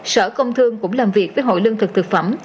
sở công thương cũng làm việc với hội lương thực thực phẩm